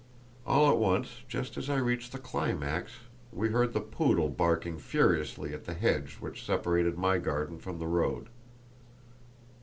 All at once, just as I reached the climax, we heard the poodle barking furiously at the hedge which separated my garden from the road.